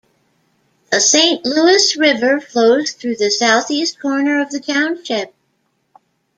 The Saint Louis River flows through the southeast corner of the township.